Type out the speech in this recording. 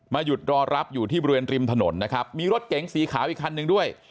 หยุดรอรับอยู่ที่บริเวณริมถนนนะครับมีรถเก๋งสีขาวอีกคันหนึ่งด้วย